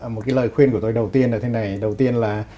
một lời khuyên của tôi đầu tiên là